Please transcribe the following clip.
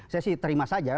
saya sih terima saja